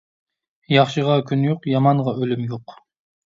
ياخشىغا كۈن يوق، يامانغا ئۈلۈم يوق.